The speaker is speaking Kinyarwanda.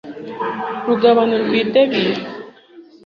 rugabano rw i Debira